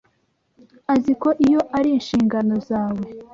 Aziko iyo ari inshingano zawe.